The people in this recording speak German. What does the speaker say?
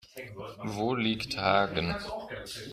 Wo liegt Hagen?